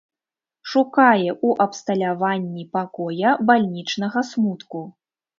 Шукае ў абсталяванні пакоя бальнічнага смутку.